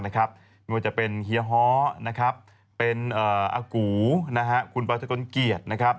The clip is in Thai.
มีว่าจะเป็นเฮียฮ้ออากูคุณบาทกลเกียรติ